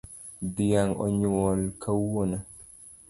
Dhiang onyuol kawuono